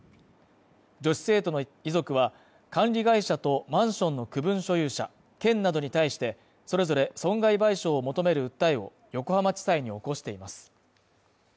女子生徒の遺族は、管理会社とマンションの区分所有者、県などに対してそれぞれ損害賠償を求める訴えをを横浜地裁に起こしています。